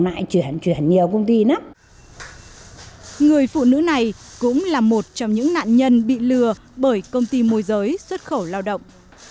người phụ nữ này cũng là một trong những nạn nhân bị lừa bởi công ty môi giới xuất khẩu lao động